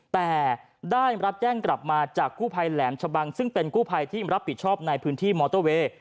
แต่ได้รับแจ้งกลับมาจากกู้ภัยแหลมชะบังซึ่งเป็นกู้ภัยที่รับผิดชอบในพื้นที่มอเตอร์เวย์